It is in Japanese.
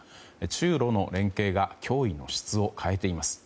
中露の連携が脅威の質を変えています。